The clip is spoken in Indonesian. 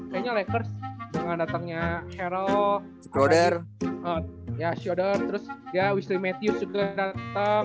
kayaknya lakers dengan datangnya harold shodder terus wesley matthews juga datang